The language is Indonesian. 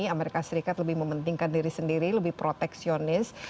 amerika serikat lebih mementingkan diri sendiri lebih proteksionis